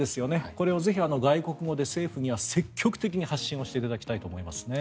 これを外国語で政府には積極的に発信をしていただきたいと思いますね。